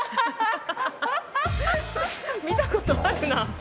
見たことあるな。